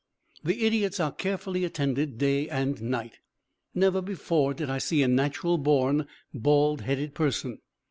The idiots are carefully attended day and night. Never before did I see a natural born bald headed person.